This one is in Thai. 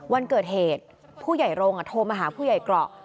วันเกิดเหตุผู้ใหญ่โรงโทรมาหาผู้ใหญ่เกราะ